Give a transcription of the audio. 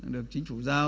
được chính phủ giao